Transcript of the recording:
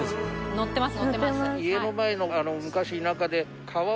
載ってます。